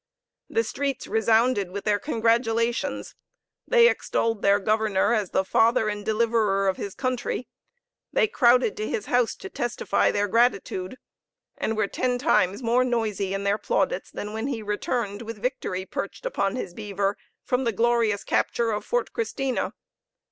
The streets resounded with their congratulations they extolled their governor as the father and deliverer of his country they crowded to his house to testify their gratitude, and were ten times more noisy in their plaudits than when he returned, with victory perched upon his beaver, from the glorious capture of Fort Christina.